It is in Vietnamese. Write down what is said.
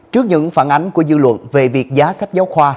trước những phản ánh của dư luận về việc giá sách giáo khoa